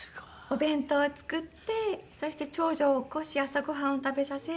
お弁当を作ってそして長女を起こし朝ご飯を食べさせ。